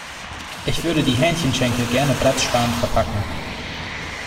Ich würde die Hähnchenschenkel gerne platzsparend verpacken.